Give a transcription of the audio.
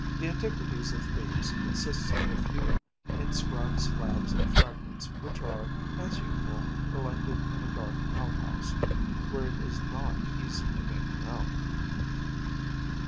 The antiquities of Thebes consist of a few inscribed slabs and fragments which are (as usual) collected in a dark outhouse, where it is not easy to make them out.